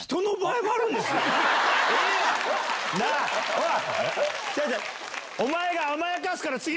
おい！